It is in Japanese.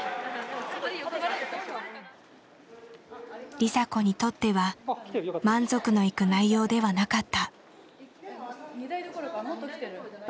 梨紗子にとっては満足のいく内容ではなかった。